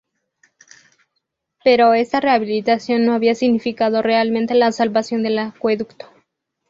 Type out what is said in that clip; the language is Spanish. Pero esta rehabilitación no había significado realmente la salvación del acueducto.